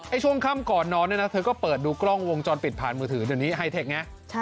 ไอช่วงค่ำก่อนนอน